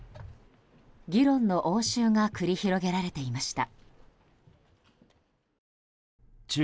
議論の応酬が繰り広げられていました。